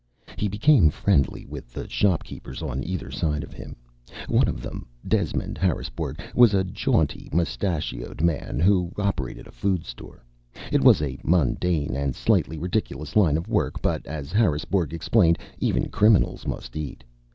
He became friendly with the shopkeepers on either side of him. One of them, Demond Harrisbourg, was a jaunty, moustached young man who operated a food store. It was a mundane and slightly ridiculous line of work; but, as Harrisbourg explained, even criminals must eat.